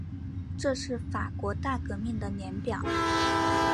这是法国大革命的年表